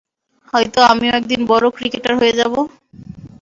হয়তো আমিও একদিন বড় ক্রিকেটার হয়ে যাবো।